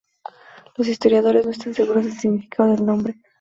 Los historiadores no están seguros del significado del nombre.